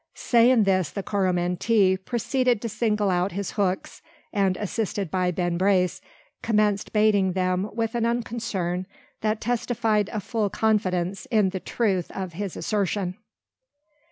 Saying this the Coromantee proceeded to single out his hooks; and, assisted by Ben Brace, commenced baiting them with an unconcern that testified a full confidence in the truth of his assertion.